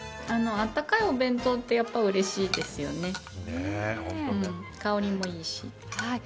あったかいお弁当ってやっぱりうれしいですよね。